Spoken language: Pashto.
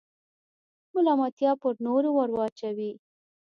ملامتیا پر نورو وراچوئ.